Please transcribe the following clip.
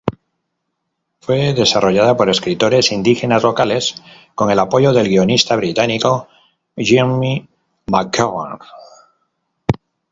Fue desarrollada por escritores indígenas locales con el apoyo del guionista británico Jimmy McGovern.